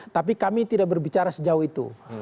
tapi kami tidak berbicara sejauh itu